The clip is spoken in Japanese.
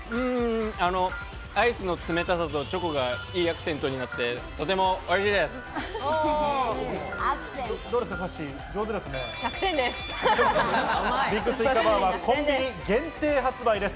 アイスの冷たさとチョコがいいアクセントになって、とてもおいしいです。